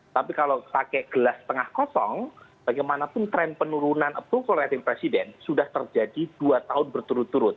tapi kalau pakai gelas tengah kosong bagaimanapun tren penurunan approval rating presiden sudah terjadi dua tahun berturut turut